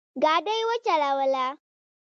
ګاډی وچلوه